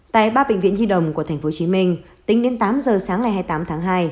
tại ba bệnh viện nhi đồng của tp hcm tính đến tám giờ sáng ngày hai mươi tám tháng hai